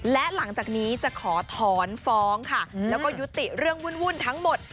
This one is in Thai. และหลังจากนี้จะขอถอนฟ้องค่ะแล้วก็ยุติเรื่องวุ่นทั้งหมด